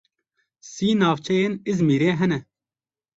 Sî navçeyên Îzmîrê hene.